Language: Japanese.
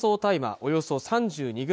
およそ３２ｇ